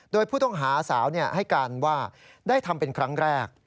โดยผู้ต้องหาสาวให้การว่าได้ทำเป็นครั้งแรก